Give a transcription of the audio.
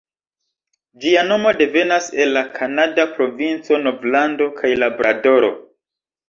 Ĝia nomo devenas el la kanada provinco Novlando kaj Labradoro.